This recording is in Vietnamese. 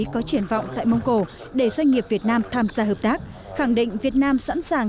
có triển vọng tại mông cổ để doanh nghiệp việt nam tham gia hợp tác khẳng định việt nam sẵn sàng